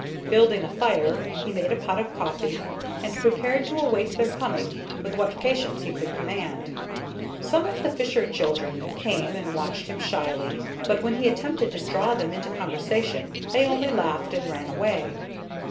Building a fire, he made a pot of coffee, and prepared to await their coming with what patience he could command. Some of the fisher children came and watched him shyly, but when he attempted to draw them into conversation they only laughed and ran away.